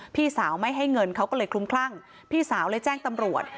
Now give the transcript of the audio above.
พี่สาวไม่ให้เงินเขาก็เลยคลุ้มคลั่งพี่สาวเลยแจ้งตำรวจ